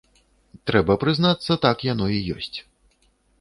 Трэба прызнацца, так яно і ёсць.